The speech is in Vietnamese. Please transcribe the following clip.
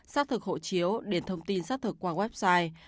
xác thực hộ chiếu điền thông tin xác thực qua website